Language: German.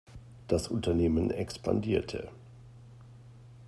Das Unternehmen expandierte.